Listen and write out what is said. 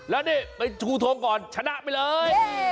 แล้วนี่กูโทรก่อนชนะไปเลย